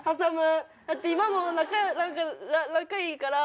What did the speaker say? だって今も仲いいから。